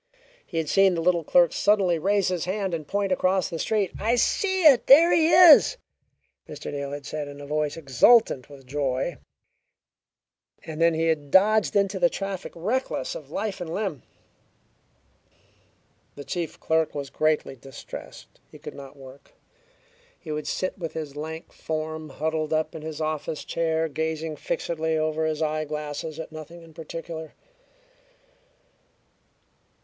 He had seen the little clerk suddenly raise his hand and point across the street. "I see it! There he is!" Mr. Neal had said in a voice exultant with joy, and then he had dodged into the traffic, reckless of life and limb. The chief clerk was greatly distressed. He could not work. He would sit with his lank form huddled up in his office chair, gazing fixedly over his eyeglasses at nothing in particular.